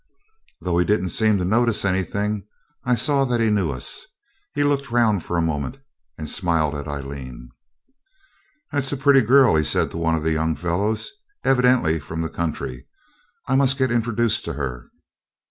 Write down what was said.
Though he didn't seem to notice anything, I saw that he knew us. He looked round for a moment, and smiled at Aileen. 'That's a pretty girl,' he said to one of the young fellows; 'evidently from the country. I must get introduced to her.'